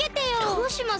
どうします？